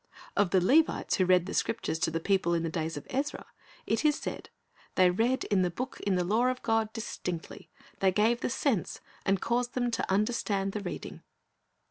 Of the Levites who read the Scriptures to the people in the days of Ezra, it is said, "They read in the book in the law of God distinctly, and gave the sense, and caused them to understand the reading."